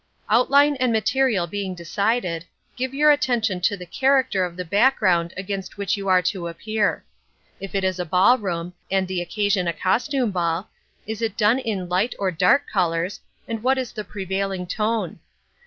Zuloaga_] Outline and material being decided, give your attention to the character of the background against which you are to appear. If it is a ball room, and the occasion a costume ball, is it done in light or dark colours, and what is the prevailing tone?